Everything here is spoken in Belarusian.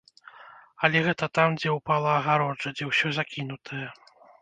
Але гэта там, дзе упала агароджа, дзе ўсё закінутае.